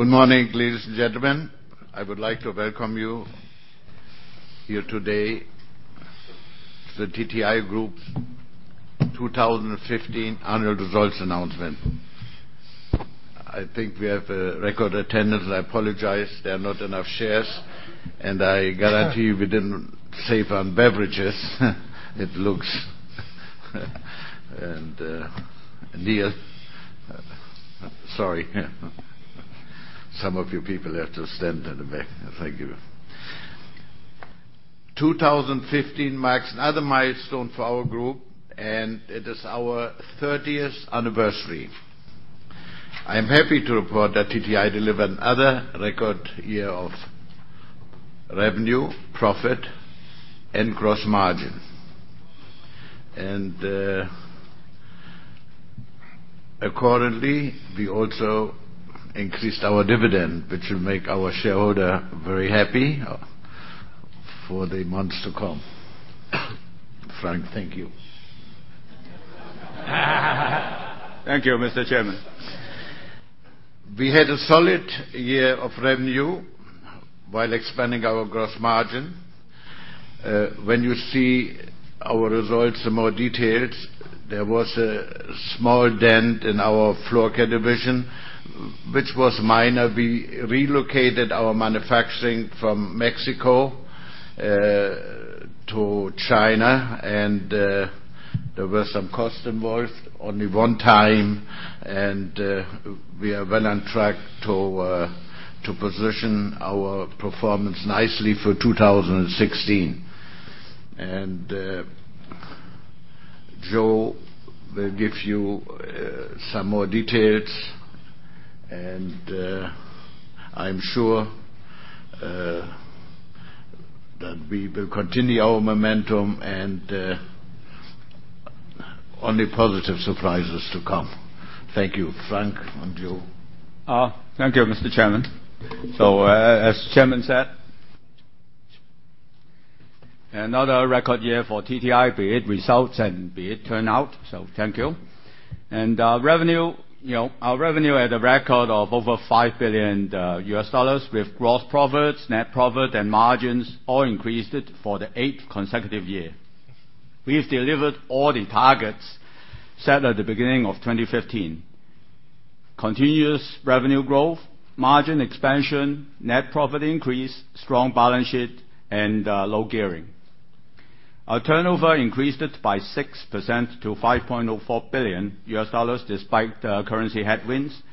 Good morning, ladies and gentlemen. I would like to welcome you here today to the TTI Group's 2015 annual results announcement. I think we have a record attendance. I apologize, there are not enough chairs. I guarantee you we didn't save on beverages. Neil, sorry. Some of you people have to stand in the back. Thank you. 2015 marks another milestone for our group, and it is our 30th anniversary. I'm happy to report that TTI delivered another record year of revenue, profit, and gross margin. Accordingly, we also increased our dividend, which will make our shareholder very happy for the months to come. Frank, thank you. Thank you, Mr. Chairman. We had a solid year of revenue while expanding our gross margin. When you see our results in more details, there was a small dent in our floor care division, which was minor. We relocated our manufacturing from Mexico to China, and there were some costs involved. Only one time. We are well on track to position our performance nicely for 2016. Joe will give you some more details. I'm sure that we will continue our momentum and only positive surprises to come. Thank you. Frank, on to you. Thank you, Mr. Chairman. As the chairman said, another record year for TTI, be it results and be it turnout. Thank you. Our revenue had a record of over $5 billion, with gross profits, net profit, and margins all increased for the eighth consecutive year. We have delivered all the targets set at the beginning of 2015. Continuous revenue growth, margin expansion, net profit increase, strong balance sheet, and low gearing. Our turnover increased it by 6% to $5.04 billion despite currency headwinds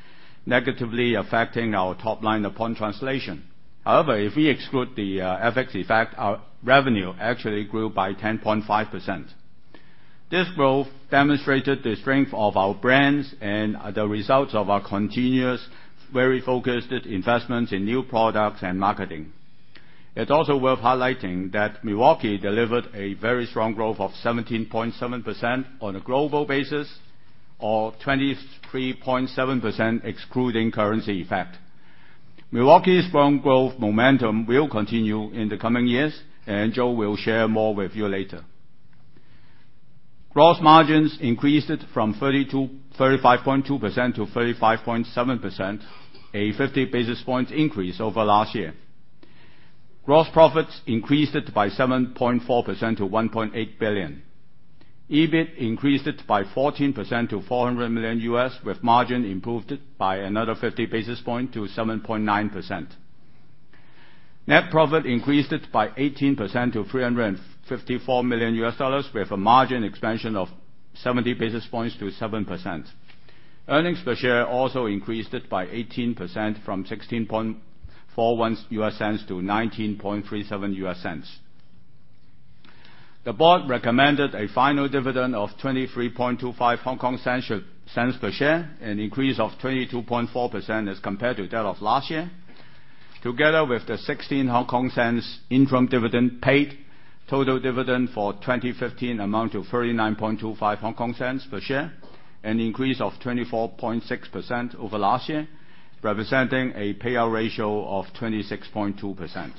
negatively affecting our top line upon translation. However, if we exclude the FX effect, our revenue actually grew by 10.5%. This growth demonstrated the strength of our brands and the results of our continuous, very focused investments in new products and marketing. It's also worth highlighting that Milwaukee delivered a very strong growth of 17.7% on a global basis, or 23.7% excluding currency effect. Milwaukee's strong growth momentum will continue in the coming years, and Joe will share more with you later. Gross margins increased from 35.2% to 35.7%, a 50 basis point increase over last year. Gross profits increased it by 7.4% to $1.8 billion. EBIT increased it by 14% to $400 million, with margin improved by another 50 basis points to 7.9%. Net profit increased it by 18% to $354 million, with a margin expansion of 70 basis points to 7%. Earnings per share also increased it by 18% from $0.1641 to $0.1937. The board recommended a final dividend of 0.2325 per share, an increase of 22.4% as compared to that of last year. Together with the 0.16 interim dividend paid, total dividend for 2015 amount to 0.3925 per share, an increase of 24.6% over last year, representing a payout ratio of 26.2%.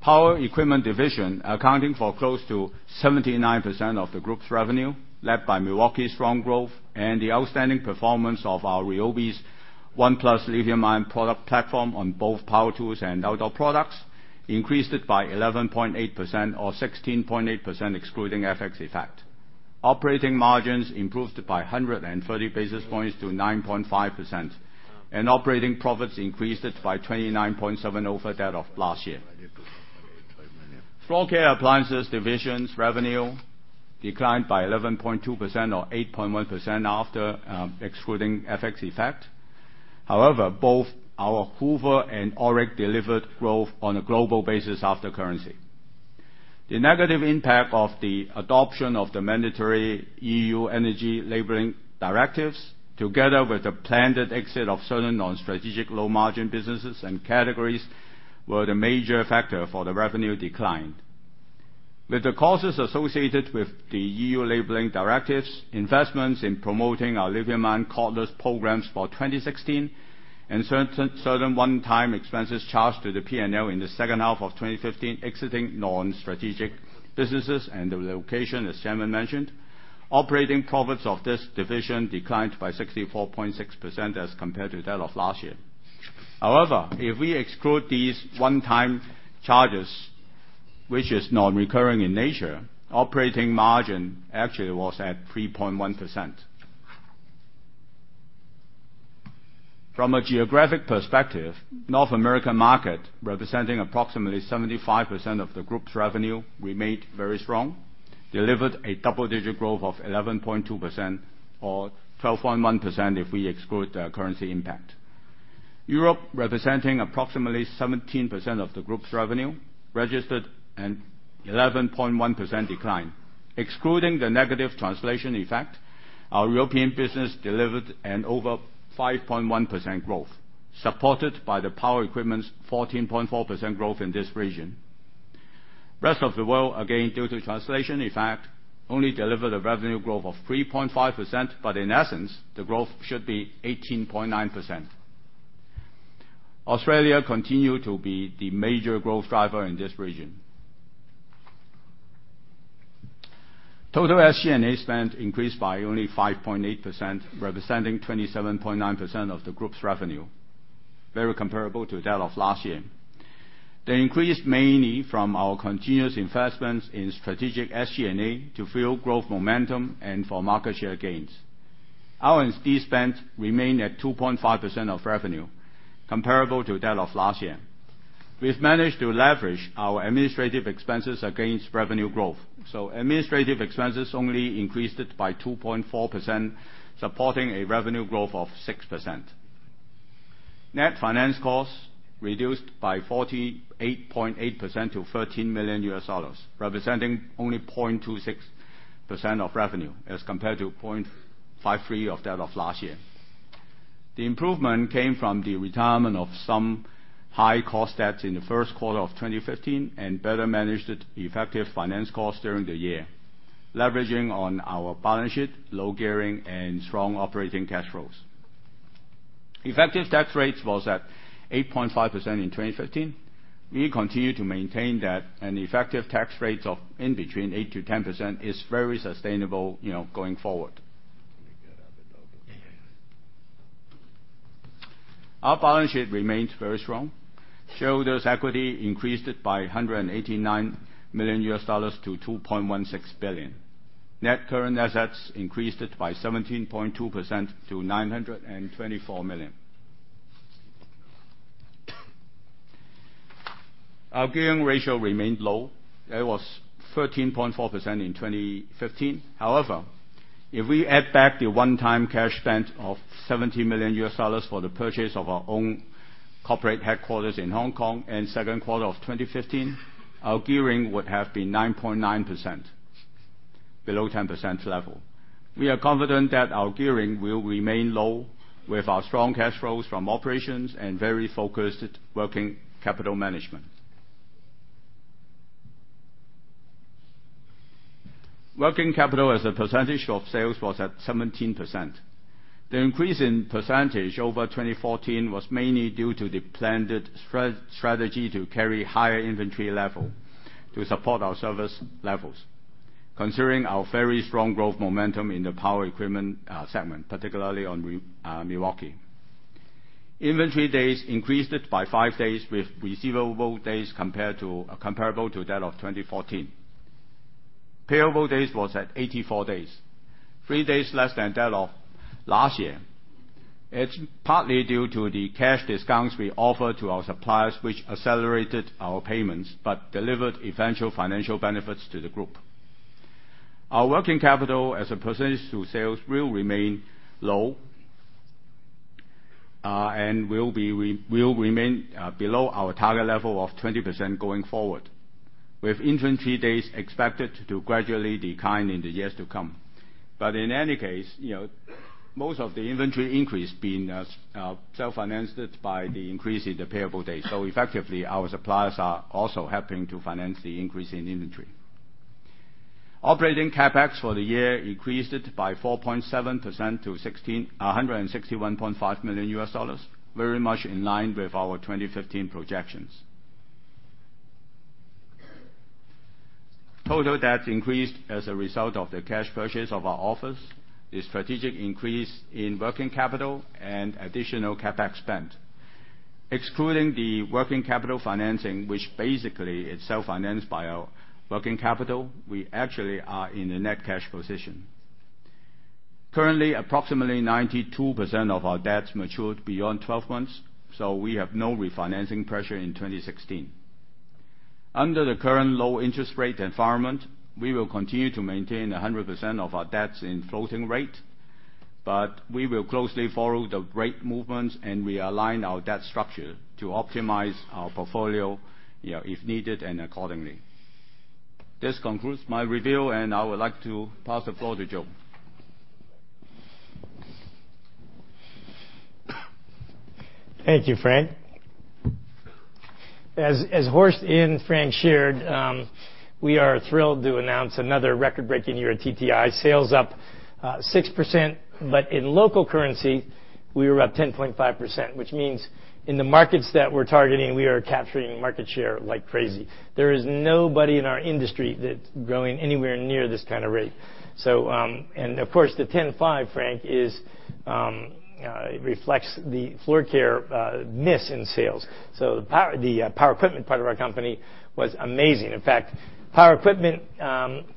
Power Equipment Division accounting for close to 79% of the group's revenue, led by Milwaukee's strong growth and the outstanding performance of our RYOBI's ONE+ lithium-ion product platform on both power tools and outdoor products, increased it by 11.8% or 16.8% excluding FX effect. Operating margins improved by 130 basis points to 9.5%, and operating profits increased it by 29.7% over that of last year. Floor Care Appliances Division's revenue declined by 11.2% or 8.1% after excluding FX effect. However, both our Hoover and Oreck delivered growth on a global basis after currency. The negative impact of the adoption of the mandatory EU energy labelling directives, together with the planned exit of certain non-strategic low-margin businesses and categories, were the major factor for the revenue decline. With the causes associated with the EU labelling directives, investments in promoting our Living Minds cordless programs for 2016, and certain one-time expenses charged to the P&L in the second half of 2015, exiting non-strategic businesses and the relocation, as Chairman mentioned. Operating profits of this division declined by 64.6% as compared to that of last year. However, if we exclude these one-time charges, which is non-recurring in nature, operating margin actually was at 3.1%. From a geographic perspective, North American market, representing approximately 75% of the group's revenue, remained very strong, delivered a double-digit growth of 11.2% or 12.1% if we exclude the currency impact. Europe, representing approximately 17% of the group's revenue, registered an 11.1% decline. Excluding the negative translation effect, our European business delivered an over 5.1% growth, supported by the Power Equipment's 14.4% growth in this region. Rest of the world, again, due to translation effect, only delivered a revenue growth of 3.5%, but in essence, the growth should be 18.9%. Australia continued to be the major growth driver in this region. Total SG&A spend increased by only 5.8%, representing 27.9% of the group's revenue, very comparable to that of last year. They increased mainly from our continuous investments in strategic SG&A to fuel growth momentum and for market share gains. R&D spend remained at 2.5% of revenue, comparable to that of last year. We've managed to leverage our administrative expenses against revenue growth. Administrative expenses only increased by 2.4%, supporting a revenue growth of 6%. Net finance costs reduced by 48.8% to $13 million, representing only 0.26% of revenue as compared to 0.53% of that of last year. The improvement came from the retirement of some high cost debts in the first quarter of 2015 and better-managed effective finance costs during the year, leveraging on our balance sheet, low gearing, and strong operating cash flows. Effective tax rates was at 8.5% in 2015. We continue to maintain that, effective tax rates of in between 8%-10% is very sustainable going forward. Let me get out the door. Our balance sheet remains very strong. Shareholders' equity increased by $189 million to $2.16 billion. Net current assets increased by 17.2% to $924 million. Our gearing ratio remained low. It was 13.4% in 2015. However, if we add back the one-time cash spend of $70 million for the purchase of our own corporate headquarters in Hong Kong in second quarter of 2015, our gearing would have been 9.9%, below 10% level. We are confident that our gearing will remain low with our strong cash flows from operations and very focused working capital management. Working capital as a percentage of sales was at 17%. The increase in percentage over 2014 was mainly due to the planned strategy to carry higher inventory level to support our service levels, considering our very strong growth momentum in the Power Equipment segment, particularly on Milwaukee. Inventory days increased by five days with receivable days comparable to that of 2014. Payable days was at 84 days, three days less than that of last year. It's partly due to the cash discounts we offer to our suppliers, which accelerated our payments but delivered eventual financial benefits to the group. Our working capital as a percentage to sales will remain low and will remain below our target level of 20% going forward, with inventory days expected to gradually decline in the years to come. In any case, most of the inventory increase being self-financed by the increase in the payable days. Effectively, our suppliers are also helping to finance the increase in inventory. Operating CapEx for the year increased by 4.7% to $161.5 million, very much in line with our 2015 projections. Total debt increased as a result of the cash purchase of our office, the strategic increase in working capital, and additional CapEx spend. Excluding the working capital financing, which basically is self-financed by our working capital, we actually are in a net cash position. Currently, approximately 92% of our debts matured beyond 12 months, so we have no refinancing pressure in 2016. Under the current low interest rate environment, we will continue to maintain 100% of our debts in floating rate, but we will closely follow the rate movements and realign our debt structure to optimize our portfolio if needed and accordingly. This concludes my review, and I would like to pass the floor to Joe. Thank you, Frank. As Horst and Frank shared, we are thrilled to announce another record-breaking year at TTI. Sales up 6%, but in local currency, we were up 10.5%, which means in the markets that we're targeting, we are capturing market share like crazy. There is nobody in our industry that's growing anywhere near this kind of rate. Of course, the 10.5%, Frank, it reflects the Floorcare miss in sales. The Power Equipment part of our company was amazing. In fact, Power Equipment,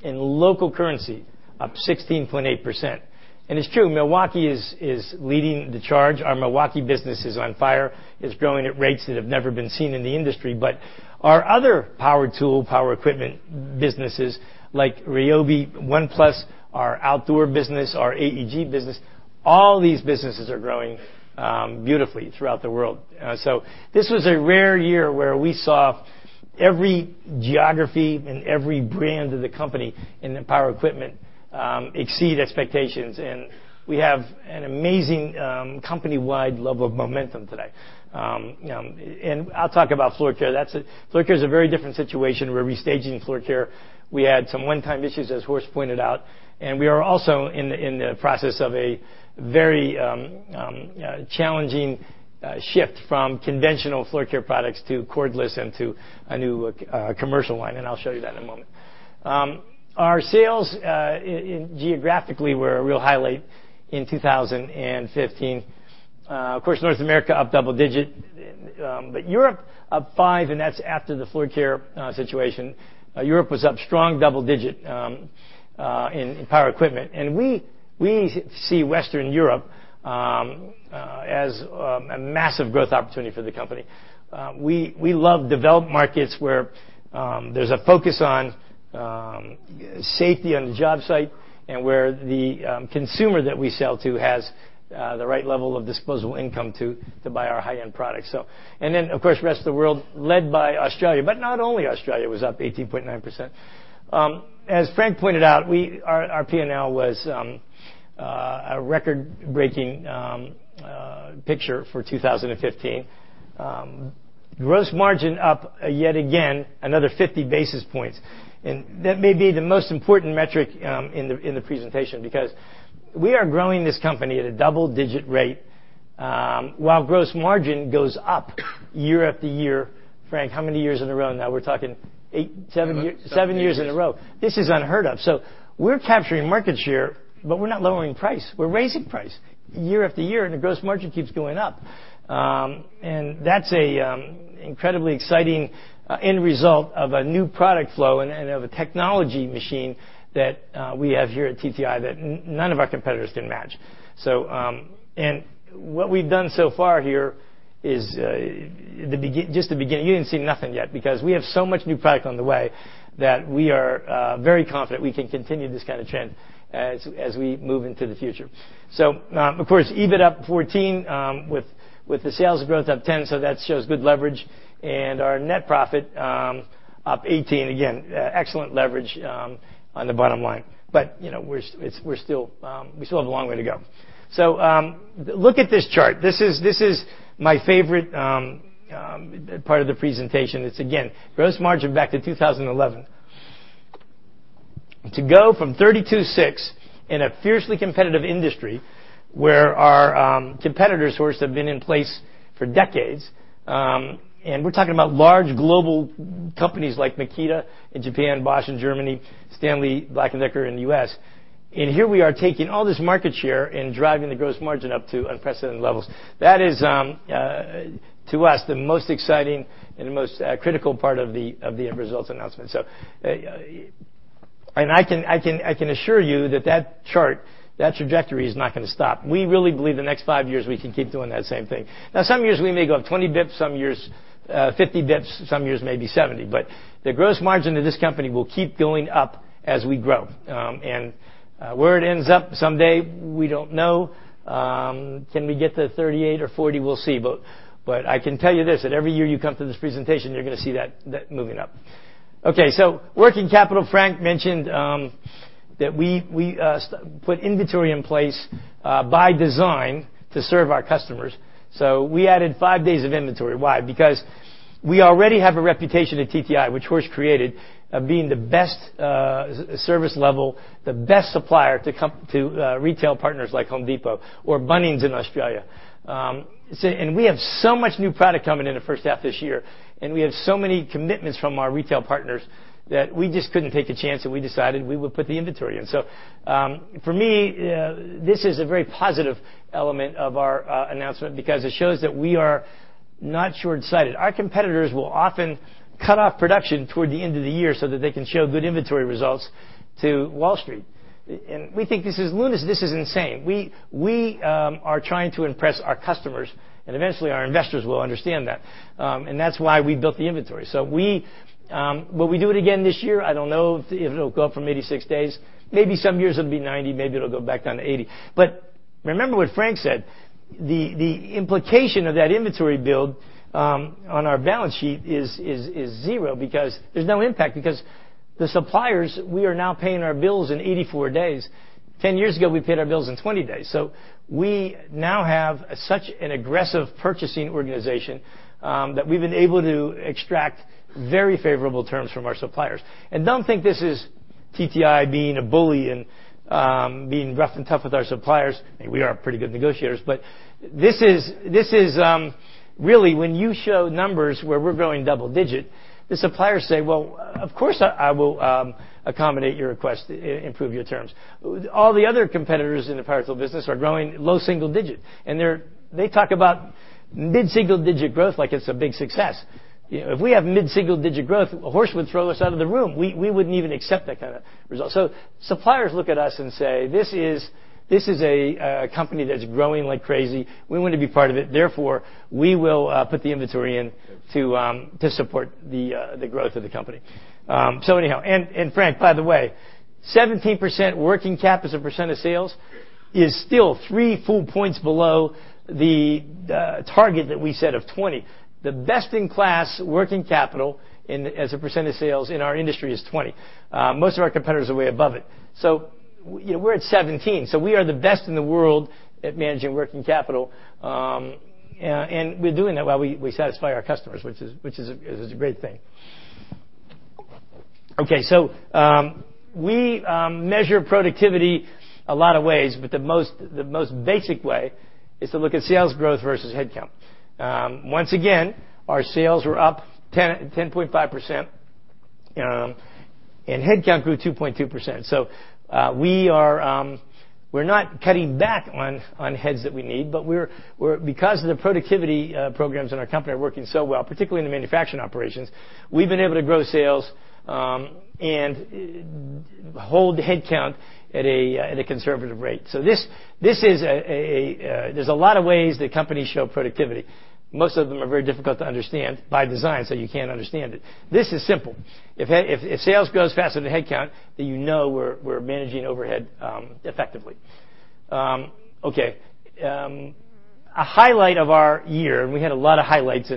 in local currency, up 16.8%. It's true, Milwaukee is leading the charge. Our Milwaukee business is on fire. It's growing at rates that have never been seen in the industry. Our other power tool, Power Equipment businesses like RYOBI, ONE+, our outdoor business, our AEG business, all these businesses are growing beautifully throughout the world. This was a rare year where we saw every geography and every brand of the company in the Power Equipment exceed expectations. We have an amazing company-wide level of momentum today. I'll talk about Floorcare. Floorcare is a very different situation. We're restaging Floorcare. We had some one-time issues, as Horst pointed out, we are also in the process of a very challenging shift from conventional Floorcare products to cordless and to a new commercial line, and I'll show you that in a moment. Our sales geographically were a real highlight in 2015. Of course, North America up double digit, Europe up five, and that's after the Floorcare situation. Europe was up strong double digit in Power Equipment. We see Western Europe as a massive growth opportunity for the company. We love developed markets where there's a focus on safety on the job site and where the consumer that we sell to has the right level of disposable income to buy our high-end products. Of course, rest of the world, led by Australia, but not only Australia, was up 18.9%. As Frank pointed out, our P&L was a record-breaking picture for 2015. Gross margin up yet again, another 50 basis points. That may be the most important metric in the presentation because we are growing this company at a double-digit rate, while gross margin goes up year after year. Frank, how many years in a row now? We're talking eight, seven- Seven years seven years in a row. This is unheard of. We're capturing market share, but we're not lowering price. We're raising price year after year, and the gross margin keeps going up. That's an incredibly exciting end result of a new product flow and of a technology machine that we have here at TTI that none of our competitors can match. What we've done so far here is just the beginning. You ain't seen nothing yet because we have so much new product on the way that we are very confident we can continue this kind of trend as we move into the future. Of course, EBIT up 14, with the sales growth up 10, so that shows good leverage. Our net profit up 18. Again, excellent leverage on the bottom line. We still have a long way to go. Look at this chart. This is my favorite part of the presentation. It's, again, gross margin back to 2011. To go from 32.6 in a fiercely competitive industry where our competitors, Horst, have been in place for decades, and we're talking about large global companies like Makita in Japan, Bosch in Germany, Stanley Black & Decker in the U.S., and here we are taking all this market share and driving the gross margin up to unprecedented levels. That is, to us, the most exciting and the most critical part of the results announcement. I can assure you that that chart, that trajectory is not gonna stop. We really believe the next five years, we can keep doing that same thing. Now, some years we may go up 20 basis points, some years 50 basis points, some years maybe 70. The gross margin of this company will keep going up as we grow. Where it ends up someday, we don't know. Can we get to 38 or 40? We'll see. I can tell you this, that every year you come to this presentation, you're gonna see that moving up. Okay, working capital. Frank mentioned that we put inventory in place by design to serve our customers. We added five days of inventory. Why? Because we already have a reputation at TTI, which Horst created, of being the best service level, the best supplier to retail partners like Home Depot or Bunnings in Australia. We have so much new product coming in the first half of this year, and we have so many commitments from our retail partners that we just couldn't take a chance, and we decided we would put the inventory in. For me, this is a very positive element of our announcement because it shows that we are not shortsighted. Our competitors will often cut off production toward the end of the year so that they can show good inventory results to Wall Street. We think this is insane. We are trying to impress our customers, and eventually, our investors will understand that. That's why we built the inventory. Will we do it again this year? I don't know if it'll go up from 86 days. Maybe some years it'll be 90, maybe it'll go back down to 80. Remember what Frank said. The implication of that inventory build on our balance sheet is zero because there's no impact, because the suppliers, we are now paying our bills in 84 days. 10 years ago, we paid our bills in 20 days. We now have such an aggressive purchasing organization that we've been able to extract very favorable terms from our suppliers. Don't think this is TTI being a bully and being rough and tough with our suppliers. We are pretty good negotiators, but this is really when you show numbers where we're growing double digit, the suppliers say, "Well, of course, I will accommodate your request, improve your terms." All the other competitors in the power tool business are growing low single digit, and they talk about mid-single digit growth like it's a big success. If we have mid-single digit growth, Horst would throw us out of the room. We wouldn't even accept that kind of result. Suppliers look at us and say, "This is a company that's growing like crazy. We want to be part of it. Therefore, we will put the inventory in to support the growth of the company." Anyhow, Frank, by the way, 17% working cap as a percent of sales is still three full points below the target that we set of 20. The best-in-class working capital as a percent of sales in our industry is 20. Most of our competitors are way above it. We're at 17. We are the best in the world at managing working capital, and we're doing that while we satisfy our customers, which is a great thing. Okay, we measure productivity a lot of ways, but the most basic way is to look at sales growth versus headcount. Once again, our sales were up 10.5%, and headcount grew 2.2%. We're not cutting back on heads that we need, because the productivity programs in our company are working so well, particularly in the manufacturing operations, we've been able to grow sales and hold headcount at a conservative rate. There's a lot of ways that companies show productivity. Most of them are very difficult to understand by design, you can't understand it. This is simple. If sales grows faster than headcount, you know we're managing overhead effectively. Okay. A highlight of our year, we had a lot of highlights,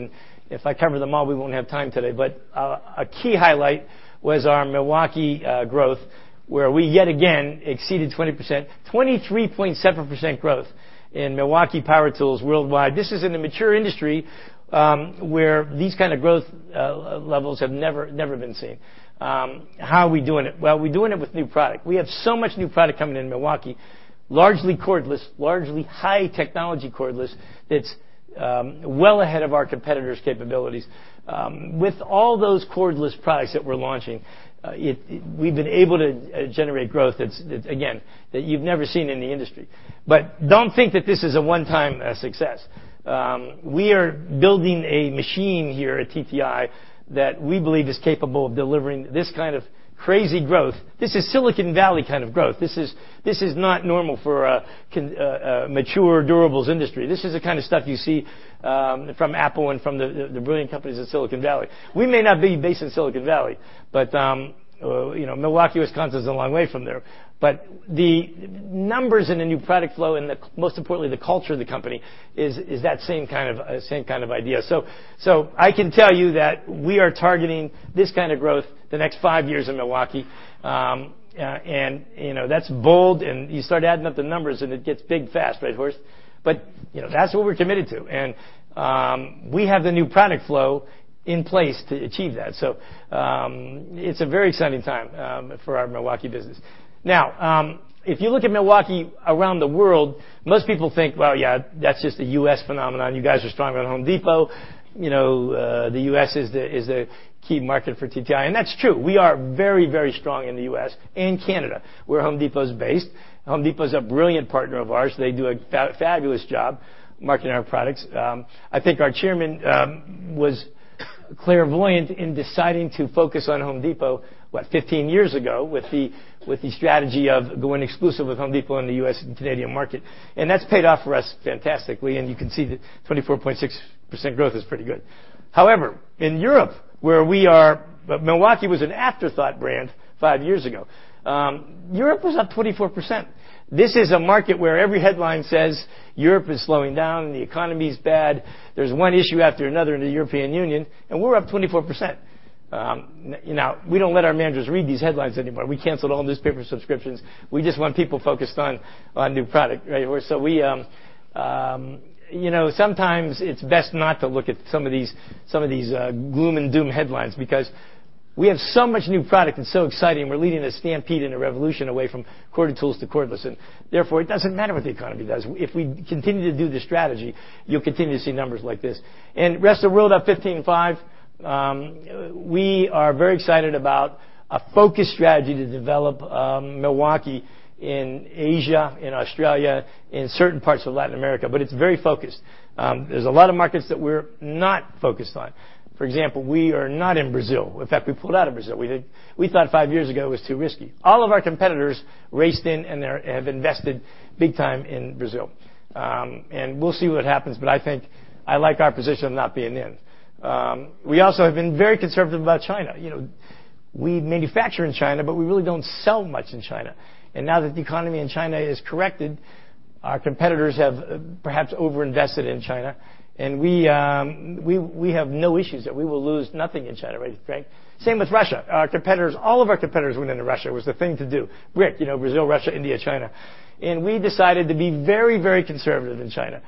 if I cover them all, we won't have time today, but a key highlight was our Milwaukee growth, where we yet again exceeded 20%, 23.7% growth in Milwaukee Power Tools worldwide. This is in a mature industry where these kind of growth levels have never been seen. How are we doing it? Well, we're doing it with new product. We have so much new product coming in Milwaukee, largely cordless, largely high technology cordless, that is well ahead of our competitors' capabilities. With all those cordless products that we're launching, we've been able to generate growth that, again, you've never seen in the industry. Don't think that this is a one-time success. We are building a machine here at TTI that we believe is capable of delivering this kind of crazy growth. This is Silicon Valley kind of growth. This is not normal for a mature durables industry. This is the kind of stuff you see from Apple and from the brilliant companies at Silicon Valley. We may not be based in Silicon Valley, Milwaukee, Wisconsin is a long way from there, but the numbers in the new product flow and most importantly, the culture of the company is that same kind of idea. I can tell you that we are targeting this kind of growth the next five years in Milwaukee, that is bold, and you start adding up the numbers, and it gets big fast, right, Horst? That is what we're committed to. We have the new product flow in place to achieve that. It is a very exciting time for our Milwaukee business. Now, if you look at Milwaukee around the world, most people think, well, yeah, that is just a U.S. phenomenon. You guys are strong at Home Depot. The U.S. is a key market for TTI. That is true. We are very, very strong in the U.S. and Canada, where Home Depot is based. Home Depot is a brilliant partner of ours. They do a fabulous job marketing our products. I think our chairman was clairvoyant in deciding to focus on Home Depot, what, 15 years ago, with the strategy of going exclusive with Home Depot in the U.S. and Canadian market. That has paid off for us fantastically, and you can see the 24.6% growth is pretty good. However, in Europe, where we are. Milwaukee was an afterthought brand five years ago. Europe was up 24%. This is a market where every headline says Europe is slowing down, the economy is bad. There is one issue after another in the European Union, and we're up 24%. Now, we don't let our managers read these headlines anymore. We canceled all newspaper subscriptions. We just want people focused on new product, right? Sometimes it's best not to look at some of these gloom and doom headlines because we have so much new product and so exciting, we're leading a stampede and a revolution away from corded tools to cordless, therefore it doesn't matter what the economy does. If we continue to do this strategy, you'll continue to see numbers like this. Rest of the world up 15.5%. We are very excited about a focused strategy to develop Milwaukee in Asia, in Australia, in certain parts of Latin America, but it's very focused. There is a lot of markets that we're not focused on. For example, we are not in Brazil. In fact, we pulled out of Brazil. We thought five years ago it was too risky. All of our competitors raced in and have invested big time in Brazil. We'll see what happens, I think I like our position of not being in. We also have been very conservative about China. We manufacture in China, but we really don't sell much in China. Now that the economy in China is corrected, our competitors have perhaps over-invested in China. We have no issues that we will lose nothing in China, right, Frank? Same with Russia. All of our competitors went into Russia. It was the thing to do. BRIC, Brazil, Russia, India, China. We decided to be very conservative in China.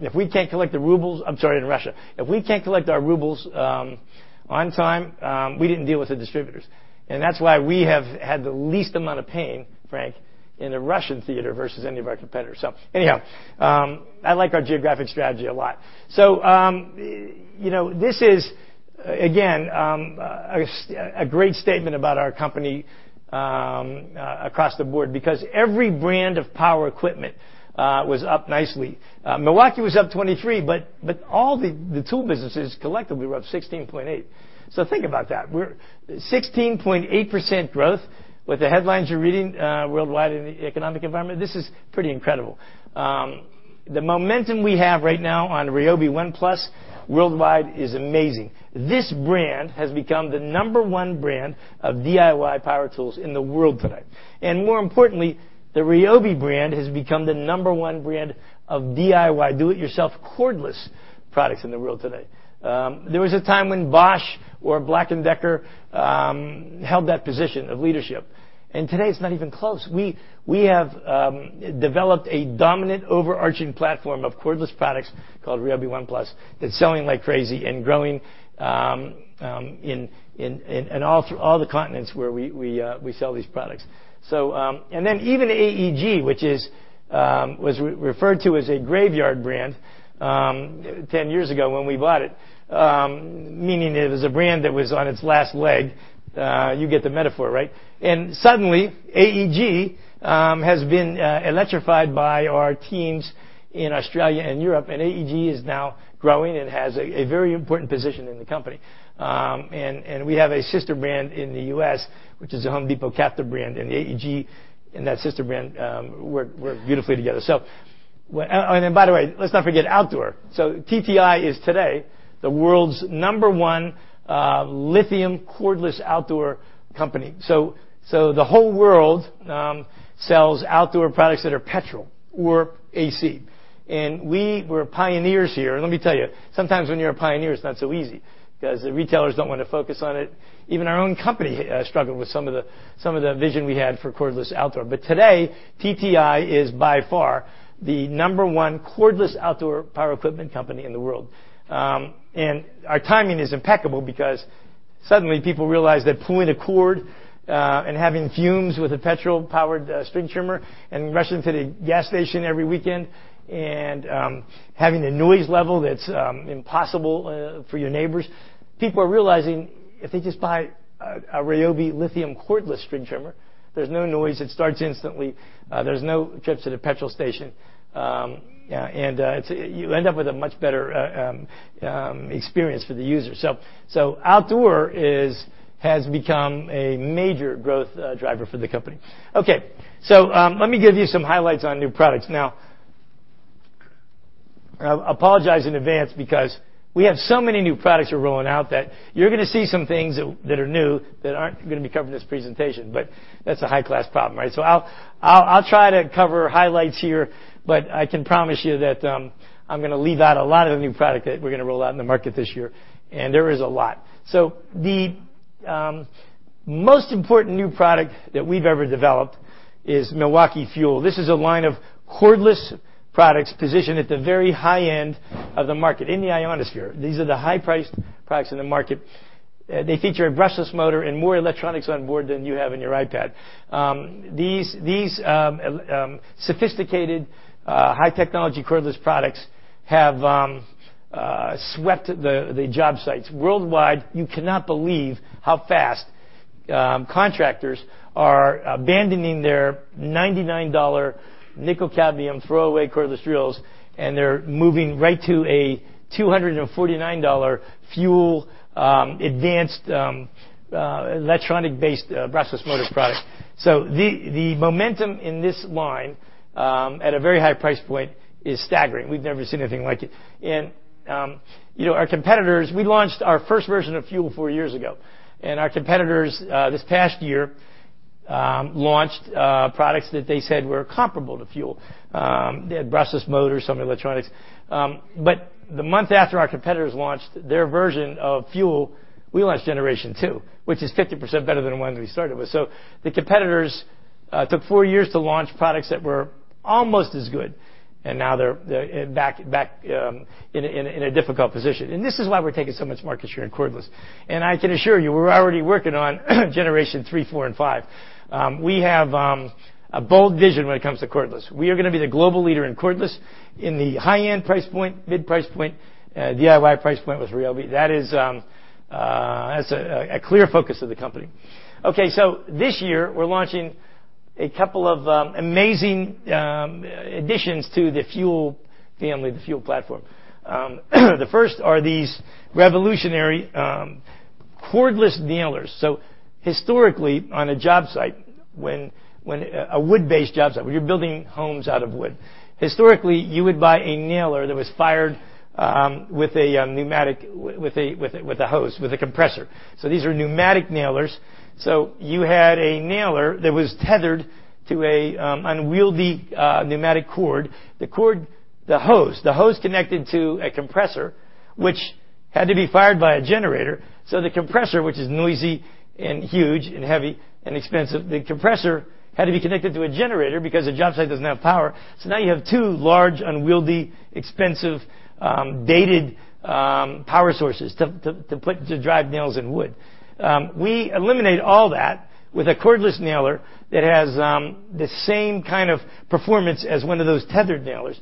If we can't collect the rubles. I'm sorry, in Russia. If we can't collect our rubles on time, we didn't deal with the distributors. That's why we have had the least amount of pain, Frank, in the Russian theater versus any of our competitors. Anyhow, I like our geographic strategy a lot. This is, again, a great statement about our company across the board, because every brand of power equipment was up nicely. Milwaukee was up 23%, but all the tool businesses collectively were up 16.8%. Think about that. 16.8% growth with the headlines you're reading worldwide in the economic environment, this is pretty incredible. The momentum we have right now on RYOBI ONE+ worldwide is amazing. This brand has become the number one brand of DIY power tools in the world today. More importantly, the RYOBI brand has become the number one brand of DIY, do it yourself, cordless products in the world today. There was a time when Bosch or Black & Decker held that position of leadership, today it's not even close. We have developed a dominant overarching platform of cordless products called RYOBI ONE+ that's selling like crazy and growing in all the continents where we sell these products. Even AEG, which was referred to as a graveyard brand 10 years ago when we bought it, meaning it was a brand that was on its last leg. You get the metaphor, right? Suddenly, AEG has been electrified by our teams in Australia and Europe. AEG is now growing and has a very important position in the company. We have a sister brand in the U.S., which is a Home Depot captive brand. AEG and that sister brand work beautifully together. By the way, let's not forget outdoor. TTI is today the world's number one lithium cordless outdoor company. The whole world sells outdoor products that are petrol or AC. We were pioneers here. Let me tell you, sometimes when you're a pioneer, it's not so easy because the retailers don't want to focus on it. Even our own company struggled with some of the vision we had for cordless outdoor. Today, TTI is by far the number one cordless outdoor power equipment company in the world. Our timing is impeccable because suddenly people realize that pulling a cord and having fumes with a petrol-powered string trimmer and rushing to the gas station every weekend and having a noise level that's impossible for your neighbors. People are realizing if they just buy a RYOBI lithium cordless string trimmer, there's no noise. It starts instantly. There's no trips to the petrol station. You end up with a much better experience for the user. Outdoor has become a major growth driver for the company. Okay, let me give you some highlights on new products. I apologize in advance because we have so many new products we're rolling out that you're going to see some things that are new that aren't going to be covered in this presentation. That's a high-class problem, right? I'll try to cover highlights here, but I can promise you that I'm going to leave out a lot of the new product that we're going to roll out in the market this year, and there is a lot. The most important new product that we've ever developed is Milwaukee FUEL. This is a line of cordless products positioned at the very high end of the market in the ionosphere. These are the high-priced products in the market. They feature a brushless motor and more electronics on board than you have in your iPad. These sophisticated, high-technology cordless products have swept the job sites worldwide. You cannot believe how fast contractors are abandoning their $99 nickel cadmium throwaway cordless drills, and they're moving right to a $249 FUEL advanced electronic-based brushless motors product. The momentum in this line at a very high price point is staggering. We've never seen anything like it. Our competitors-- We launched our first version of FUEL four years ago, and our competitors, this past year, launched products that they said were comparable to FUEL. They had brushless motors, some electronics. The month after our competitors launched their version of FUEL, we launched generation two, which is 50% better than the one we started with. The competitors took four years to launch products that were almost as good, and now they're back in a difficult position. This is why we're taking so much market share in cordless. I can assure you, we're already working on generation three, four, and five. We have a bold vision when it comes to cordless. We are going to be the global leader in cordless in the high-end price point, mid price point, DIY price point with RYOBI. That's a clear focus of the company. Okay, this year, we're launching a couple of amazing additions to the FUEL family, the FUEL platform. The first are these revolutionary- Cordless nailers. Historically, on a job site, a wood-based job site, where you're building homes out of wood, historically, you would buy a nailer that was fired with a pneumatic, with a hose, with a compressor. These are pneumatic nailers. You had a nailer that was tethered to an unwieldy pneumatic cord. The hose. The hose connected to a compressor, which had to be fired by a generator. The compressor, which is noisy and huge and heavy and expensive, the compressor had to be connected to a generator because a job site doesn't have power. Now you have two large, unwieldy, expensive, dated power sources to drive nails in wood. We eliminate all that with a cordless nailer that has the same kind of performance as one of those tethered nailers,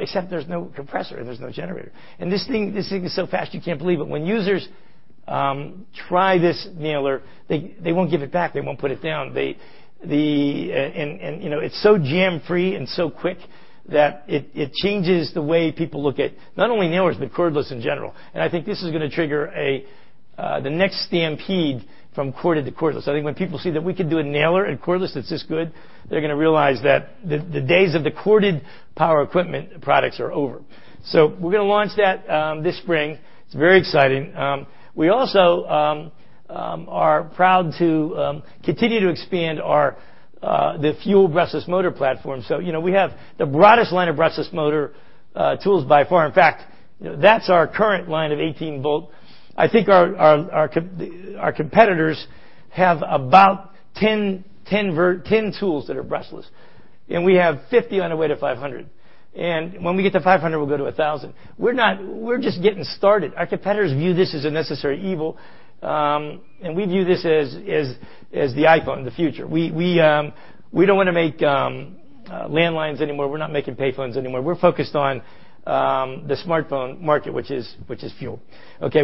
except there's no compressor and there's no generator. This thing is so fast you can't believe it. When users try this nailer, they won't give it back. They won't put it down. It's so jam-free and so quick that it changes the way people look at not only nailers, but cordless in general. I think this is going to trigger the next stampede from corded to cordless. I think when people see that we can do a nailer in cordless that's this good, they're going to realize that the days of the corded Power Equipment products are over. We're going to launch that this spring. It's very exciting. We also are proud to continue to expand the FUEL brushless motor platform. We have the broadest line of brushless motor tools by far. In fact, that's our current line of 18-volt. I think our competitors have about 10 tools that are brushless, and we have 50 on the way to 500. When we get to 500, we'll go to 1,000. We're just getting started. Our competitors view this as a necessary evil, and we view this as the iPhone, the future. We don't want to make landlines anymore. We're not making payphones anymore. We're focused on the smartphone market, which is FUEL.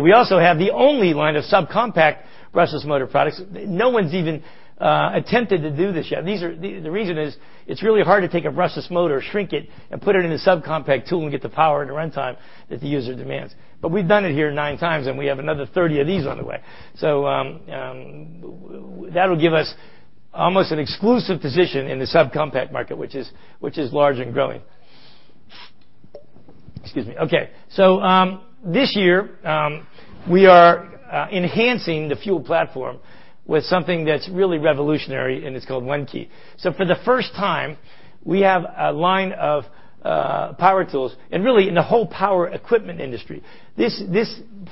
We also have the only line of subcompact brushless motor products. No one's even attempted to do this yet. The reason is, it's really hard to take a brushless motor, shrink it, and put it in a subcompact tool and get the power and the runtime that the user demands. But we've done it here nine times, and we have another 30 of these on the way. That'll give us almost an exclusive position in the subcompact market, which is large and growing. Excuse me. This year, we are enhancing the FUEL platform with something that's really revolutionary, and it's called ONE-KEY. For the first time, we have a line of power tools, and really in the whole Power Equipment industry, this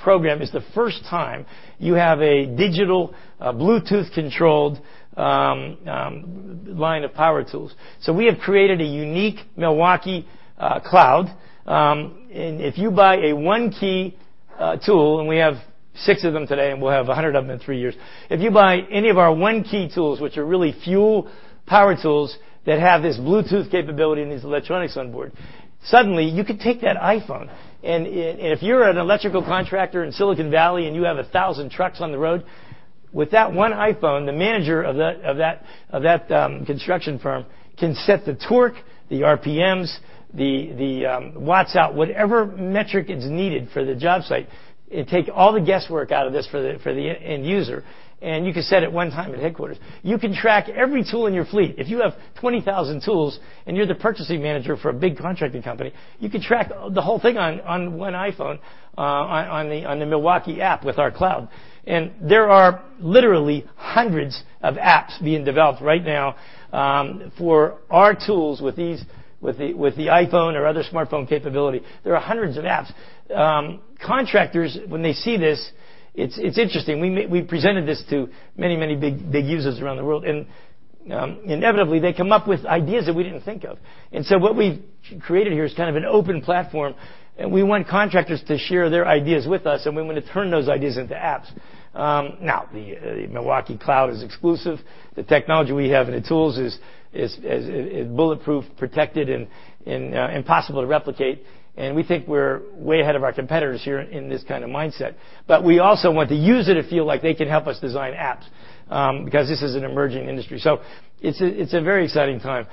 program is the first time you have a digital Bluetooth-controlled line of power tools. We have created a unique Milwaukee cloud. If you buy a ONE-KEY tool, and we have six of them today, and we'll have 100 of them in three years. If you buy any of our ONE-KEY tools, which are really FUEL power tools that have this Bluetooth capability and these electronics on board, suddenly you could take that iPhone. If you're an electrical contractor in Silicon Valley and you have 1,000 trucks on the road, with that one iPhone, the manager of that construction firm can set the torque, the RPMs, the watts out, whatever metric is needed for the job site, and take all the guesswork out of this for the end user. You can set it one time at headquarters. You can track every tool in your fleet. If you have 20,000 tools and you're the purchasing manager for a big contracting company, you can track the whole thing on one iPhone on the Milwaukee app with our cloud. There are literally hundreds of apps being developed right now for our tools with the iPhone or other smartphone capability. There are hundreds of apps. Contractors, when they see this, it's interesting. We presented this to many, many big users around the world. Inevitably, they come up with ideas that we didn't think of. What we've created here is kind of an open platform, we want contractors to share their ideas with us, we want to turn those ideas into apps. Now, the Milwaukee cloud is exclusive. The technology we have and the tools is bulletproof protected and impossible to replicate. We think we're way ahead of our competitors here in this kind of mindset, but we also want the user to feel like they can help us design apps, because this is an emerging industry. It's a very exciting time.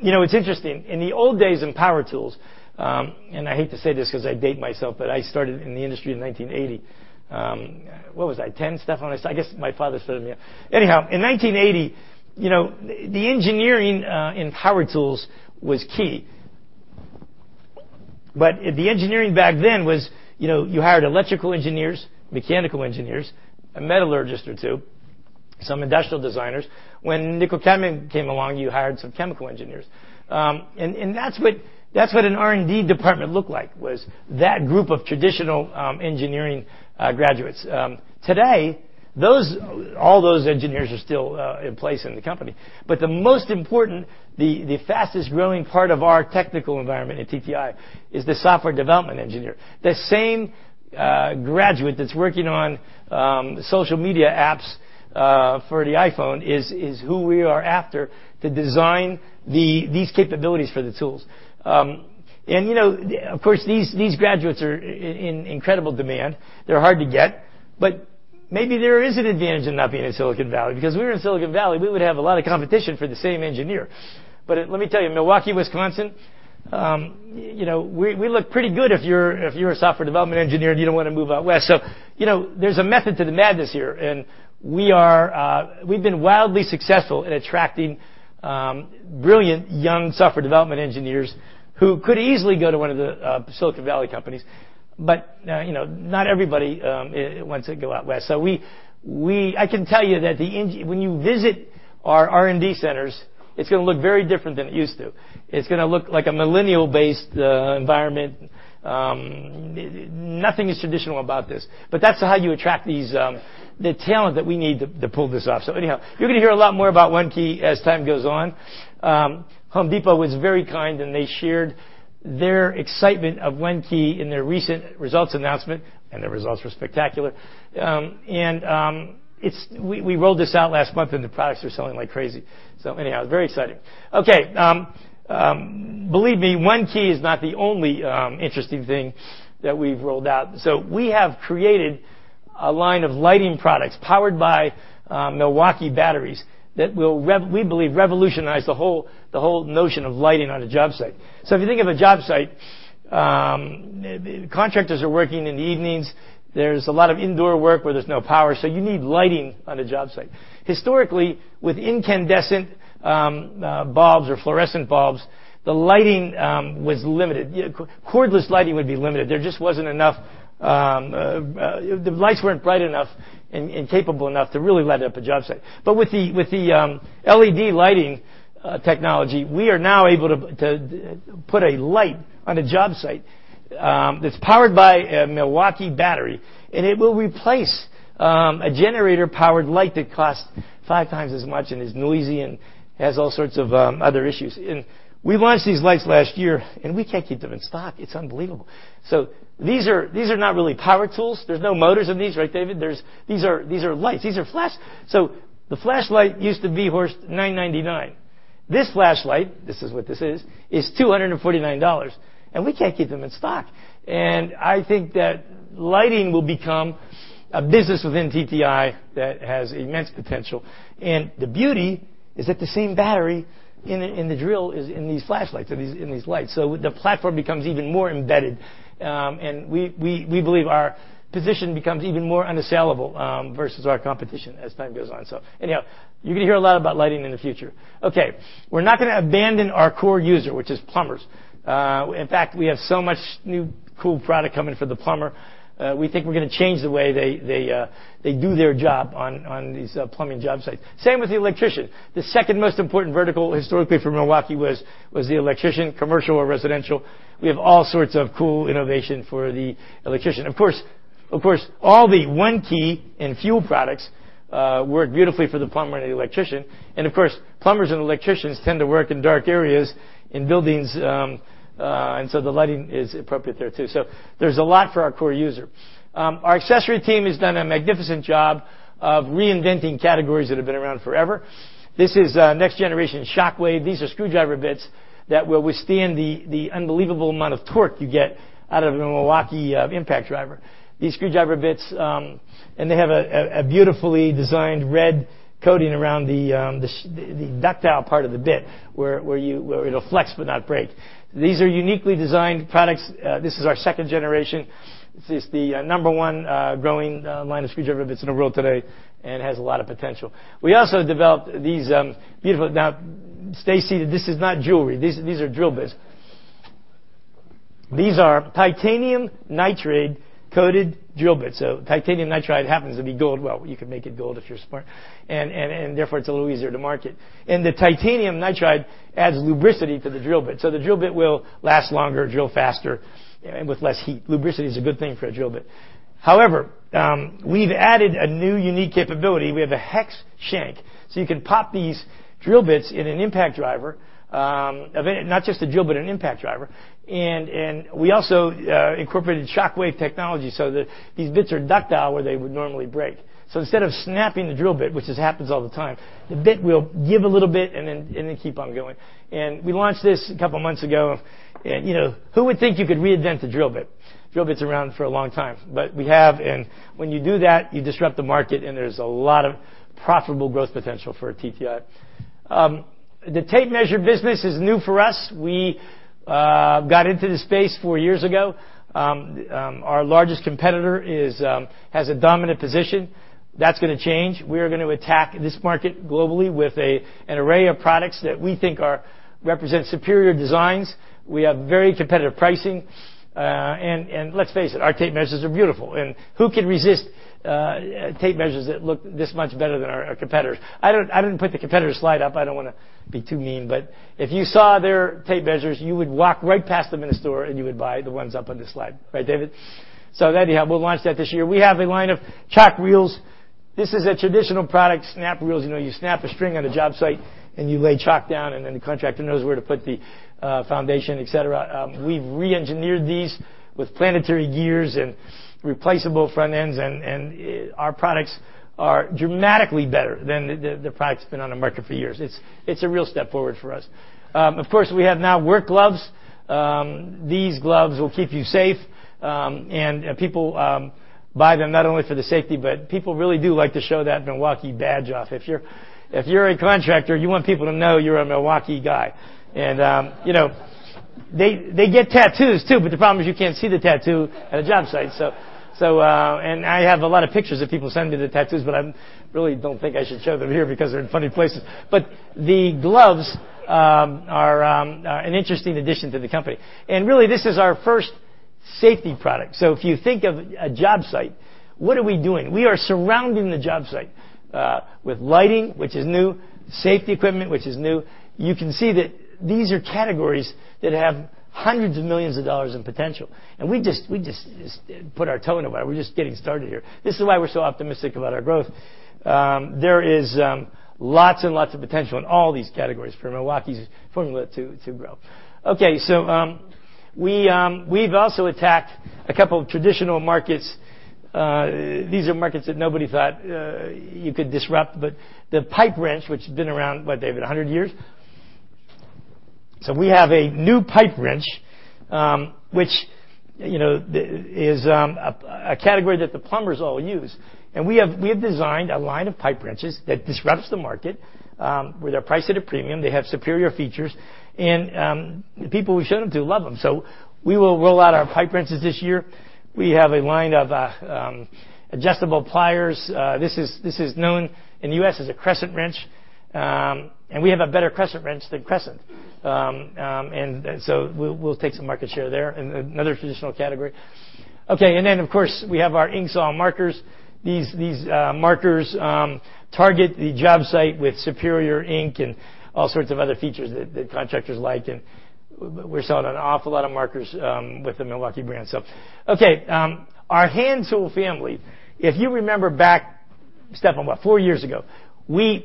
It's interesting. In the old days in power tools, and I hate to say this because I date myself, but I started in the industry in 1980. What was I, 10, Stephan? I guess my father started me. Anyhow, in 1980, the engineering in power tools was key. The engineering back then was, you hired electrical engineers, mechanical engineers, a metallurgist or two. Some industrial designers. When nickel-cad came along, you hired some chemical engineers. That's what an R&D department looked like, was that group of traditional engineering graduates. Today, all those engineers are still in place in the company. The most important, the fastest-growing part of our technical environment at TTI is the software development engineer. The same graduate that's working on social media apps for the iPhone is who we are after to design these capabilities for the tools. Of course, these graduates are in incredible demand. They're hard to get. Maybe there is an advantage in not being in Silicon Valley because if we were in Silicon Valley, we would have a lot of competition for the same engineer. Let me tell you, Milwaukee, Wisconsin, we look pretty good if you're a software development engineer and you don't want to move out west. There's a method to the madness here, and we've been wildly successful in attracting brilliant young software development engineers who could easily go to one of the Silicon Valley companies. Not everybody wants to go out west. I can tell you that when you visit our R&D centers, it's going to look very different than it used to. It's going to look like a millennial-based environment. Nothing is traditional about this. That's how you attract the talent that we need to pull this off. You're going to hear a lot more about ONE-KEY as time goes on. Home Depot was very kind, and they shared their excitement of ONE-KEY in their recent results announcement, and their results were spectacular. We rolled this out last month, and the products are selling like crazy. Very exciting. Okay. Believe me, ONE-KEY is not the only interesting thing that we've rolled out. We have created a line of lighting products powered by Milwaukee batteries that will, we believe, revolutionize the whole notion of lighting on a job site. If you think of a job site, contractors are working in the evenings. There's a lot of indoor work where there's no power, so you need lighting on a job site. Historically, with incandescent bulbs or fluorescent bulbs, the lighting was limited. Cordless lighting would be limited. The lights weren't bright enough and capable enough to really light up a job site. With the LED lighting technology, we are now able to put a light on a job site that's powered by a Milwaukee battery, and it will replace a generator-powered light that costs five times as much, and is noisy, and has all sorts of other issues. We launched these lights last year, and we can't keep them in stock. It's unbelievable. These are not really power tools. There's no motors in these, right, David? These are lights. These are flash. The flashlight used to be, Horst, $9.99. This flashlight, this is what this is $249, and we can't keep them in stock. I think that lighting will become a business within TTI that has immense potential. The beauty is that the same battery in the drill is in these flashlights, in these lights. The platform becomes even more embedded. We believe our position becomes even more unassailable versus our competition as time goes on. Anyhow, you're going to hear a lot about lighting in the future. Okay. We're not going to abandon our core user, which is plumbers. In fact, we have so much new cool product coming for the plumber. We think we're going to change the way they do their job on these plumbing job sites. Same with the electrician. The second most important vertical historically for Milwaukee was the electrician, commercial or residential. We have all sorts of cool innovation for the electrician. Of course, all the ONE-KEY and FUEL products work beautifully for the plumber and the electrician. Of course, plumbers and electricians tend to work in dark areas in buildings, the lighting is appropriate there too. There's a lot for our core user. Our accessory team has done a magnificent job of reinventing categories that have been around forever. This is a next-generation SHOCKWAVE. These are screwdriver bits that will withstand the unbelievable amount of torque you get out of a Milwaukee impact driver. These screwdriver bits. They have a beautifully designed red coating around the ductile part of the bit, where it'll flex but not break. These are uniquely designed products. This is our second generation. This is the number one growing line of screwdriver bits in the world today and has a lot of potential. We also developed these beautiful. Now, Stacy, this is not jewelry. These are drill bits. These are titanium nitride-coated drill bits. Titanium nitride happens to be gold. Well, you can make it gold if you're smart, and therefore, it's a little easier to market. The titanium nitride adds lubricity to the drill bit, the drill bit will last longer, drill faster, and with less heat. Lubricity is a good thing for a drill bit. However, we've added a new unique capability. We have a hex shank, so you can pop these drill bits in an impact driver, not just a drill bit, an impact driver. We also incorporated SHOCKWAVE technology so that these bits are ductile where they would normally break. Instead of snapping the drill bit, which just happens all the time, the bit will give a little bit and then keep on going. We launched this a couple of months ago. Who would think you could reinvent the drill bit? Drill bit's around for a long time. We have, when you do that, you disrupt the market, and there's a lot of profitable growth potential for TTI. The tape measure business is new for us. We got into the space four years ago. Our largest competitor has a dominant position. That's going to change. We are going to attack this market globally with an array of products that we think represent superior designs. We have very competitive pricing. Let's face it, our tape measures are beautiful. Who can resist tape measures that look this much better than our competitors? I didn't put the competitor slide up. I don't want to be too mean. If you saw their tape measures, you would walk right past them in the store. You would buy the ones up on this slide. Right, David? There you have it. We'll launch that this year. We have a line of chalk reels. This is a traditional product, snap reels. You snap a string on a job site. You lay chalk down. Then the contractor knows where to put the foundation, et cetera. We've re-engineered these with planetary gears and replaceable front ends. Our products are dramatically better than the product that's been on the market for years. It's a real step forward for us. Of course, we have now work gloves. These gloves will keep you safe. People buy them not only for the safety. People really do like to show that Milwaukee badge off. If you're a contractor, you want people to know you're a Milwaukee guy. They get tattoos too. The problem is you can't see the tattoo at a job site. I have a lot of pictures of people sending me the tattoos. I really don't think I should show them here because they're in funny places. The gloves are an interesting addition to the company. Really, this is our first safety product. If you think of a job site, what are we doing? We are surrounding the job site with lighting, which is new, safety equipment, which is new. You can see that these are categories that have hundreds of millions of USD in potential. We just put our toe in the water. We're just getting started here. This is why we're so optimistic about our growth. There is lots and lots of potential in all these categories for Milwaukee's formula to grow. We've also attacked a couple of traditional markets. These are markets that nobody thought you could disrupt. The pipe wrench, which has been around, what, David, 100 years? We have a new pipe wrench, which is a category that the plumbers all use. We have designed a line of pipe wrenches that disrupts the market, where they're priced at a premium. They have superior features. The people we show them to love them. We will roll out our pipe wrenches this year. We have a line of adjustable pliers. This is known in the U.S. as a Crescent wrench. We have a better Crescent wrench than Crescent. We'll take some market share there in another traditional category. Of course, we have our INKZALL markers. These markers target the job site with superior ink and all sorts of other features that contractors like. We're selling an awful lot of markers with the Milwaukee brand. Our hand tool family, if you remember back, Stephan, what, four years ago? We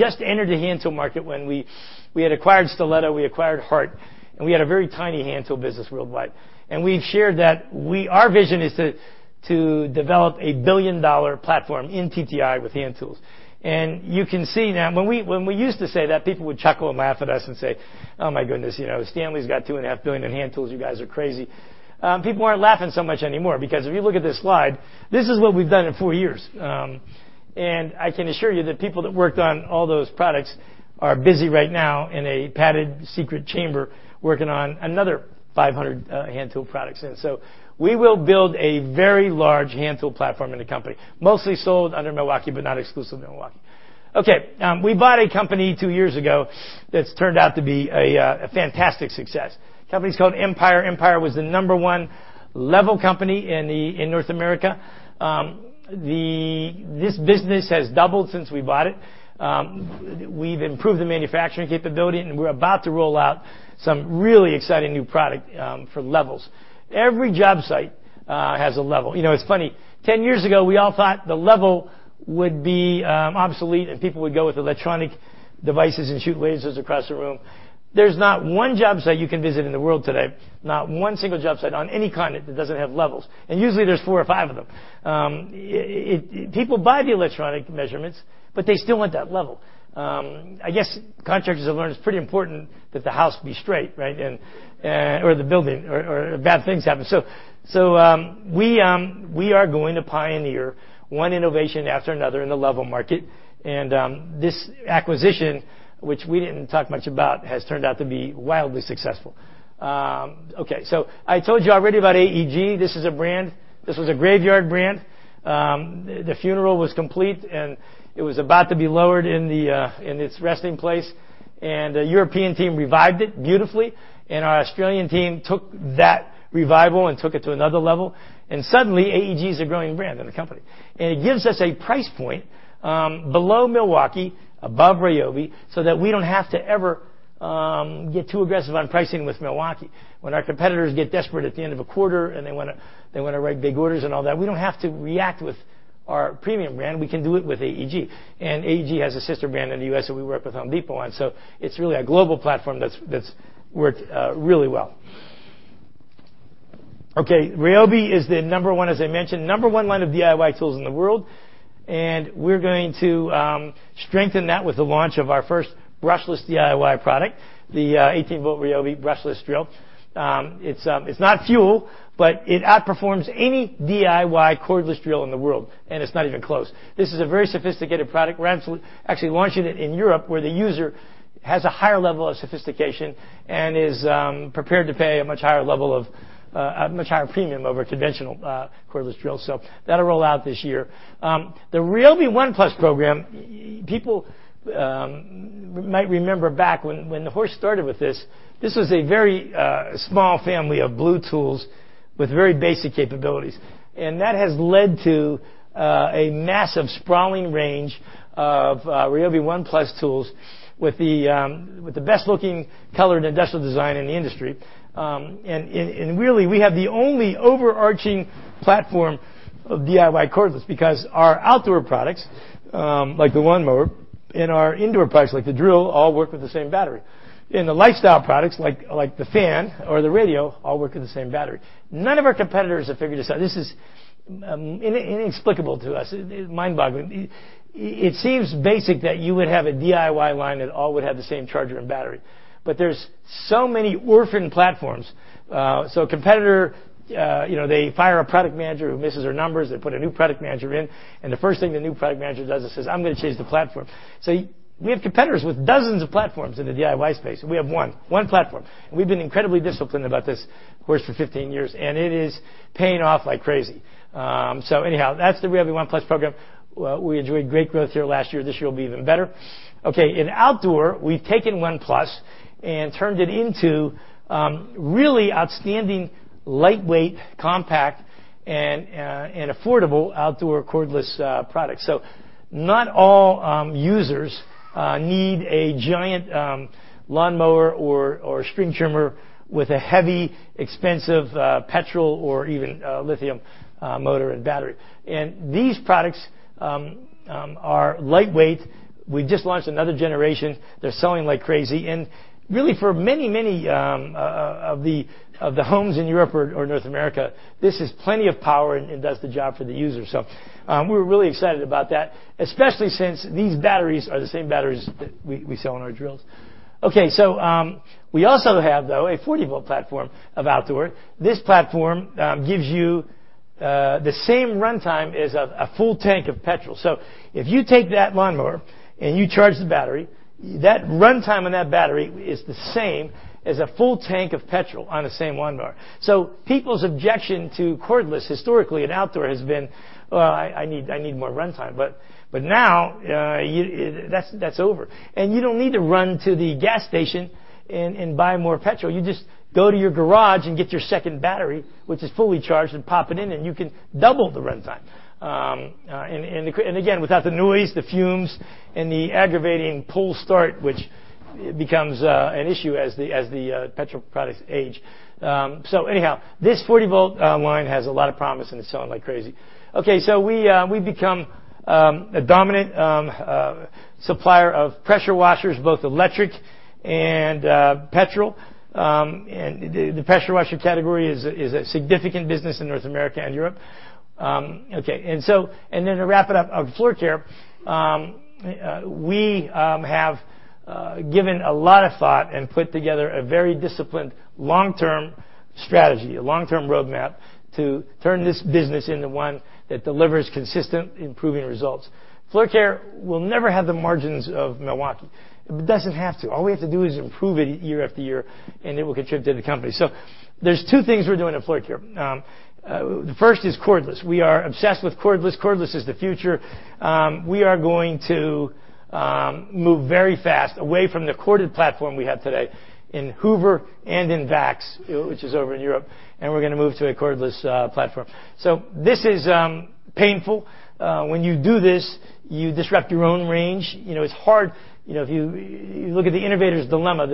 just entered the hand tool market when we had acquired Stiletto, we acquired Hart. We had a very tiny hand tool business worldwide. We've shared that our vision is to develop a $1 billion platform in TTI with hand tools. You can see now, when we used to say that, people would chuckle and laugh at us and say, "Oh, my goodness, Stanley's got $2.5 billion in hand tools. You guys are crazy." People aren't laughing so much anymore, because if you look at this slide, this is what we've done in 4 years. I can assure you that people that worked on all those products are busy right now in a padded secret chamber working on another 500 hand tool products. We will build a very large hand tool platform in the company, mostly sold under Milwaukee, but not exclusive to Milwaukee. Okay. We bought a company 2 years ago that's turned out to be a fantastic success. Company's called Empire. Empire was the number 1 level company in North America. This business has doubled since we bought it. We've improved the manufacturing capability, and we're about to roll out some really exciting new product for levels. Every job site has a level. It's funny. 10 years ago, we all thought the level would be obsolete, and people would go with electronic devices and shoot lasers across the room. There's not one job site you can visit in the world today, not one single job site on any continent that doesn't have levels. Usually, there's four or five of them. People buy the electronic measurements, they still want that level. I guess contractors have learned it's pretty important that the house be straight, right? The building, or bad things happen. We are going to pioneer one innovation after another in the level market. This acquisition, which we didn't talk much about, has turned out to be wildly successful. Okay. I told you already about AEG. This is a brand. This was a graveyard brand. The funeral was complete, and it was about to be lowered in its resting place. A European team revived it beautifully. Our Australian team took that revival and took it to another level. Suddenly, AEG is a growing brand in the company. It gives us a price point below Milwaukee, above RYOBI, so that we don't have to ever get too aggressive on pricing with Milwaukee. When our competitors get desperate at the end of a quarter, and they want to write big orders and all that, we don't have to react with our premium brand. We can do it with AEG. AEG has a sister brand in the U.S. that we work with Home Depot on. It's really a global platform that's worked really well. Okay. RYOBI is the number 1, as I mentioned, number 1 line of DIY tools in the world. We're going to strengthen that with the launch of our first brushless DIY product, the 18-volt RYOBI brushless drill. It's not FUEL, it outperforms any DIY cordless drill in the world, it's not even close. This is a very sophisticated product. We're actually launching it in Europe, where the user has a higher level of sophistication and is prepared to pay a much higher premium over a conventional cordless drill. That'll roll out this year. The RYOBI ONE+ program People might remember back when Horst started with this was a very small family of blue tools with very basic capabilities. That has led to a massive sprawling range of RYOBI ONE+ tools with the best-looking colored industrial design in the industry. We have the only overarching platform of DIY cordless, because our outdoor products, like the lawnmower, and our indoor products, like the drill, all work with the same battery. The lifestyle products like the fan or the radio all work with the same battery. None of our competitors have figured this out. This is inexplicable to us, mind-boggling. It seems basic that you would have a DIY line that all would have the same charger and battery, but there are so many orphaned platforms. A competitor, they fire a product manager who misses their numbers. They put a new product manager in, and the first thing the new product manager does is says, "I'm going to change the platform." We have competitors with dozens of platforms in the DIY space, and we have one platform. We've been incredibly disciplined about this, of course, for 15 years, and it is paying off like crazy. Anyhow, that's the RYOBI ONE+ program. We enjoyed great growth here last year. This year will be even better. In outdoor, we've taken ONE+ and turned it into really outstanding, lightweight, compact, and affordable outdoor cordless products. Not all users need a giant lawnmower or string trimmer with a heavy, expensive petrol or even lithium motor and battery. These products are lightweight. We just launched another generation. They're selling like crazy. Really for many of the homes in Europe or North America, this is plenty of power and does the job for the user. We're really excited about that, especially since these batteries are the same batteries that we sell in our drills. We also have, though, a 40-volt platform of outdoor. This platform gives you the same runtime as a full tank of petrol. If you take that lawnmower and you charge the battery, that runtime on that battery is the same as a full tank of petrol on the same lawnmower. People's objection to cordless historically in outdoor has been, "Well, I need more runtime." Now, that's over. You don't need to run to the gas station and buy more petrol. You just go to your garage and get your second battery, which is fully charged, and pop it in, and you can double the runtime. Again, without the noise, the fumes, and the aggravating pull start, which becomes an issue as the petrol products age. Anyhow, this 40-volt line has a lot of promise, and it's selling like crazy. We've become a dominant supplier of pressure washers, both electric and petrol. The pressure washer category is a significant business in North America and Europe. To wrap it up, on Floorcare, we have given a lot of thought and put together a very disciplined long-term strategy, a long-term roadmap to turn this business into one that delivers consistent improving results. Floorcare will never have the margins of Milwaukee. It doesn't have to. All we have to do is improve it year after year, and it will contribute to the company. There are two things we're doing in Floorcare. The first is cordless. We are obsessed with cordless. Cordless is the future. We are going to move very fast away from the corded platform we have today in Hoover and in VAX, which is over in Europe, and we're going to move to a cordless platform. This is painful. When you do this, you disrupt your own range. It's hard. If you look at "The Innovator's Dilemma,"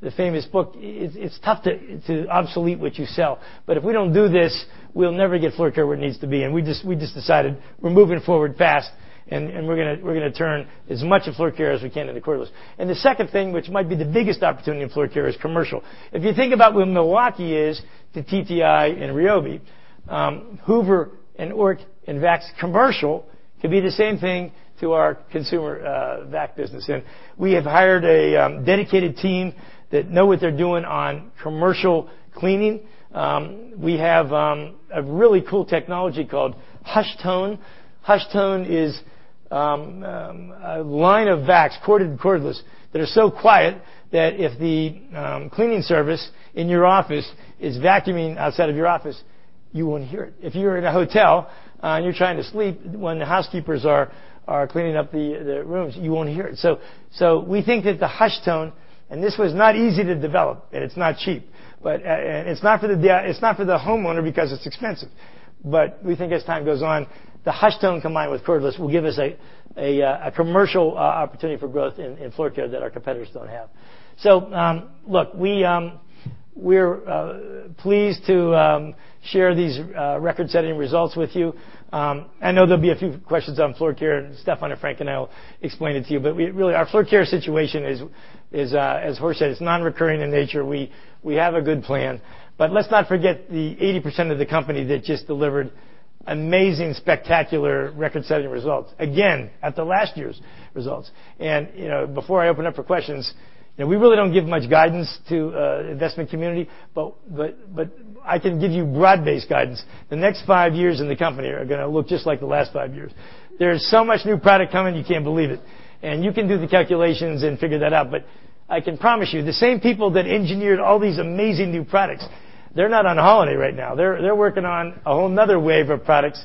the famous book, it's tough to obsolete what you sell. If we don't do this, we'll never get Floorcare where it needs to be. We just decided we're moving forward fast, and we're going to turn as much of Floorcare as we can into cordless. The second thing, which might be the biggest opportunity in Floorcare, is commercial. If you think about where Milwaukee is to TTI and RYOBI, Hoover, and Oreck, and VAX, commercial could be the same thing to our consumer vac business. We have hired a dedicated team that know what they're doing on commercial cleaning. We have a really cool technology called HushTone. HushTone is a line of vacs, corded and cordless, that are so quiet that if the cleaning service in your office is vacuuming outside of your office, you won't hear it. If you're in a hotel and you're trying to sleep when the housekeepers are cleaning up the rooms, you won't hear it. We think that the HushTone. This was not easy to develop, and it's not cheap. It's not for the homeowner because it's expensive. We think as time goes on, the HushTone combined with cordless will give us a commercial opportunity for growth in Floorcare that our competitors don't have. Look, we're pleased to share these record-setting results with you. I know there'll be a few questions on Floorcare, Stephan or Frank and I will explain it to you. Really, our Floorcare situation is, as Horst said, it's non-recurring in nature. We have a good plan. Let's not forget the 80% of the company that just delivered amazing, spectacular record-setting results, again, after last year's results. Before I open up for questions, we really don't give much guidance to investment community, but I can give you broad-based guidance. The next five years in the company are going to look just like the last five years. There's so much new product coming, you can't believe it. You can do the calculations and figure that out. I can promise you, the same people that engineered all these amazing new products, they're not on holiday right now. They're working on a whole another wave of products,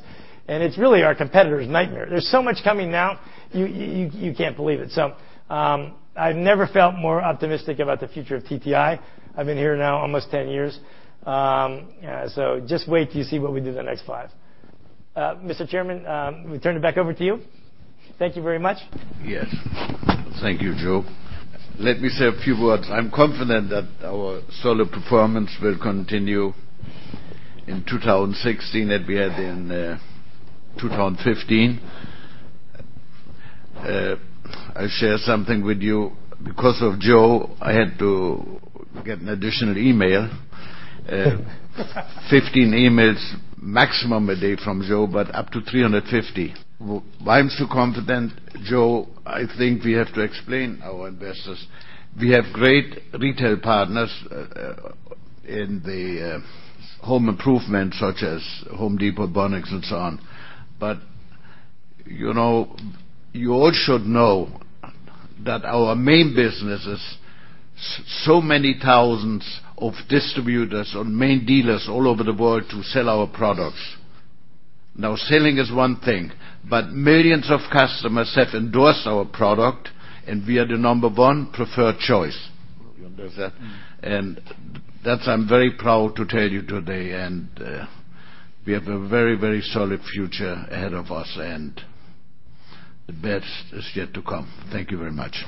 and it's really our competitors' nightmare. There's so much coming now, you can't believe it. I've never felt more optimistic about the future of TTI. I've been here now almost 10 years. Just wait till you see what we do the next five. Mr. Chairman, we turn it back over to you. Thank you very much. Yes. Thank you, Joe. Let me say a few words. I'm confident that our solid performance will continue in 2016 that we had in 2015. I share something with you. Because of Joe, I had to get an additional email. 15 emails maximum a day from Joe, but up to 350. I'm so confident, Joe, I think we have to explain our investors. We have great retail partners in the home improvement, such as Home Depot, Bunnings, and so on. You all should know that our main business is so many thousands of distributors or main dealers all over the world to sell our products. Selling is one thing, but millions of customers have endorsed our product, and we are the number one preferred choice. You understand? That I'm very proud to tell you today, we have a very solid future ahead of us, the best is yet to come. Thank you very much.